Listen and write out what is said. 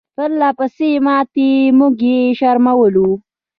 پرله پسې ماتې چې موږ یې شرمولو.